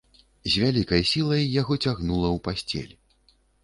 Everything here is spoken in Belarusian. З вялікай сілай яго цягнула ў пасцель.